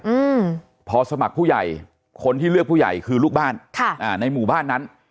อืมพอสมัครผู้ใหญ่คนที่เลือกผู้ใหญ่คือลูกบ้านค่ะอ่าในหมู่บ้านนั้น